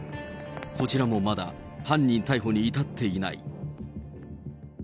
こちらもまだ、犯人逮捕に至っていない。